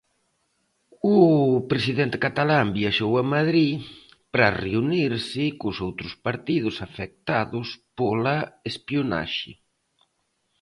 O presidente catalán viaxou a Madrid para reunirse cos outros partidos afectados pola espionaxe.